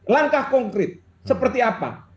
langkah konkret seperti apa